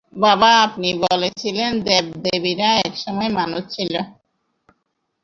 বাবা, আপনি বলেছিলেন দেব-দেবীরা একসময় মানুষ ছিল?